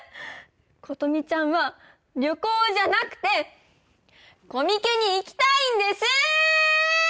琴美ちゃんは旅行じゃなくてコミケに行きたいんですー！